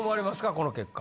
この結果。